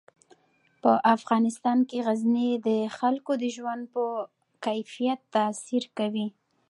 په افغانستان کې غزني د خلکو د ژوند په کیفیت تاثیر کوي.